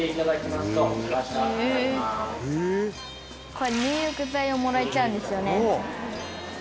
「これ入浴剤をもらえちゃうんですよね」